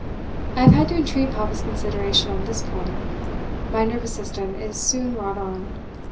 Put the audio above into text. I have had to entreat Papa's consideration on this point. My nervous system is soon wrought on.